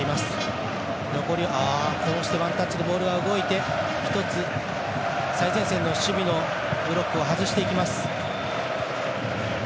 ワンタッチでボールが動いて一つ、最前線の守備のブロックを外していきます。